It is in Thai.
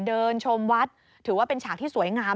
เดินชมวัดถือว่าเป็นฉากที่สวยงาม